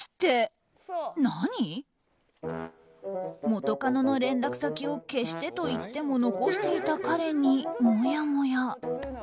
元カノの連絡先を消しても言っても残していた彼に、もやもや。